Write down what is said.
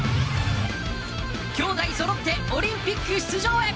きょうだいそろってオリンピック出場へ。